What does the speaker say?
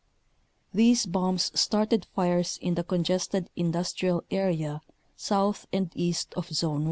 These bombs started fires in the congested industrial area south and east of Zone 1.